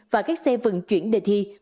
và các xe vận chuyển đề thi